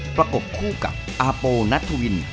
ประกบคู่กับอาโปนัทธวิน